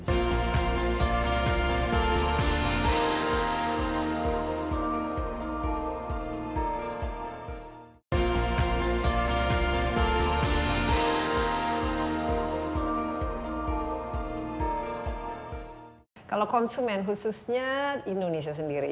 kalau konsumen khususnya indonesia sendiri